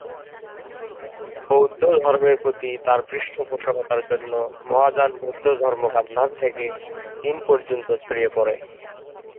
বৌদ্ধ ধর্মের প্রতি তার পৃষ্ঠপোষকতার জন্য মহাযান বৌদ্ধ ধর্ম গান্ধার থেকে চীন পর্য্যন্ত ছড়িয়ে পড়ে।